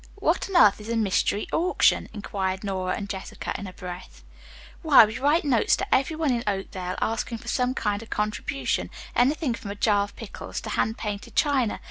"What on earth is a 'Mystery Auction'?" inquired Nora and Jessica in a breath. "Why we write notes to every one in Oakdale, asking for some kind of contribution, anything from a jar of pickles to hand painted china.